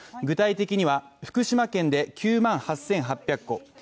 具体的には、福島県で９万８８００戸